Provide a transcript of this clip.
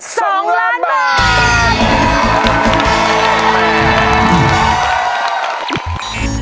สองล้านบาท